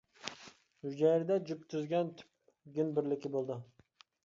ھۈجەيرىدە جۈپ تۈزگەن تۈپ گېن بىرلىكى بولىدۇ.